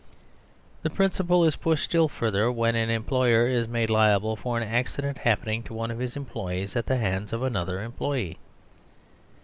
The principle is pushed still further when an em ployer is made liable for an accident happening to one of his employees at the hands of another employee.